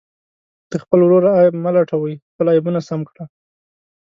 د خپل ورور عیب مه لټوئ، خپل عیبونه سم کړه.